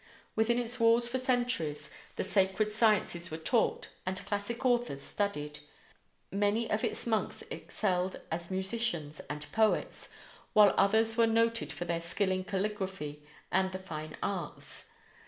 Within its walls for centuries the sacred sciences were taught and classic authors studied. Many of its monks excelled as musicians and poets, while others were noted for their skill in calligraphy and the fine arts.